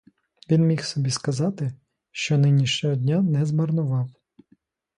Він міг собі сказати, що нинішнього дня не змарнував.